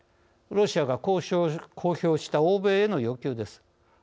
ロシアが公表した欧米への要求です。